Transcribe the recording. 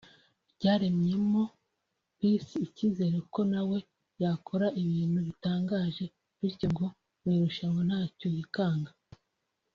byaremyemo Peace icyizere ko na we yakora ibintu bitangaje bityo ngo mu irushanwa ntacyo yikanga